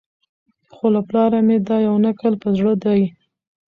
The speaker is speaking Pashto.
خو له پلاره مي دا یو نکل په زړه دی